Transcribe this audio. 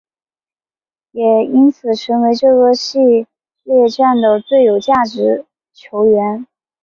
也因此成为这个系列战的最有价值球员。